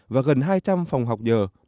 và gần hai trăm linh phòng học giờ